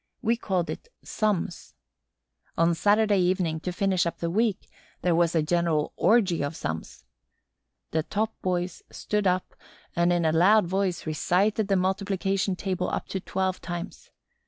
We called it sums. On Saturday evening, to finish up the week, there was a general orgy of sums. The top boys stood up and, in a loud voice, recited the multiplication table up to twelve times.